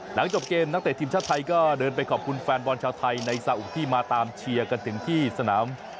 หลังจบเกมนักเตะทีมชาติไทยก็เดินไปขอบคุณแฟนบอลชาวไทยในซาอุที่มาตามเชียร์กันถึงที่สนาม